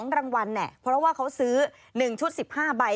รางวัลเนี่ยเพราะว่าเขาซื้อ๑ชุด๑๕ใบ